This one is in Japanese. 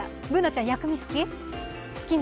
Ｂｏｏｎａちゃん、薬味好き？